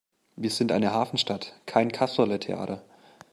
Wir sind eine Hafenstadt, kein Kasperletheater!